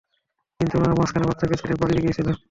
কিন্তু উনারা মাঝখানে, বাচ্চাকে ছেড়ে পালিয়ে গিয়েছিলো।